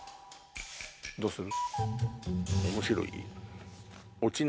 どうする？